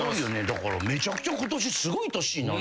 だからめちゃくちゃ今年すごい年に。